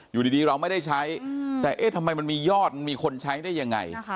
อยู่ดีเราไม่ได้ใช้แต่เอ๊ะทำไมมันมียอดมีคนใช้ได้ยังไง